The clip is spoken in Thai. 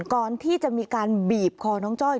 ก่อนที่จะมีบีบเจ้าใจมีการคอน้องจ้อย